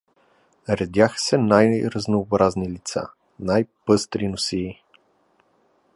Редяха се най-разнообразни лица, най-пъстри носии.